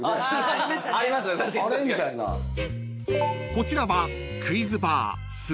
［こちらは］